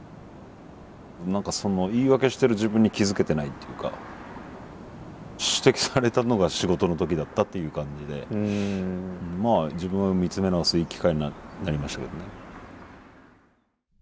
何かその言い訳してる自分に気付けてないっていうか指摘されたのが仕事の時だったっていう感じでまあ自分を見つめ直すいい機会になりましたけどね。